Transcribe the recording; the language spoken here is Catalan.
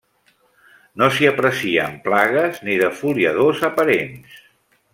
No s'hi aprecien plagues ni defoliadors aparents.